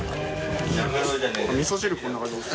・みそ汁こんな感じです。